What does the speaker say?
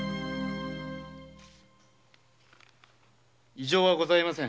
〕異常はこざいません。